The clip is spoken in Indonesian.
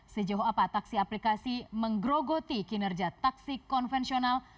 sejauh apa taksi aplikasi menggerogoti kinerja taksi konvensional